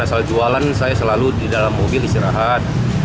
asal jualan saya selalu di dalam mobil istirahat